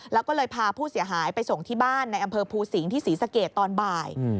แล้วก็เลยพาผู้เสียหายไปส่งที่บ้านในอำเภอภูสิงศ์ที่ศรีสะเกดตอนบ่าย